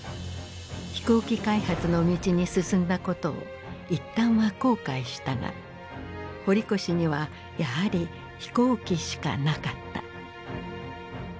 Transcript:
飛行機開発の道に進んだことを一旦は後悔したが堀越にはやはり飛行機しかなかった。